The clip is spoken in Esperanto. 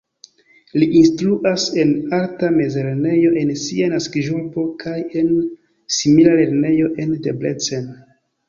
Li instruas en arta mezlernejo en sia naskiĝurbo kaj en simila lernejo en Debrecen.